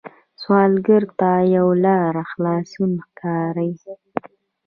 سوالګر ته یوه لاره خلاصون ښکاري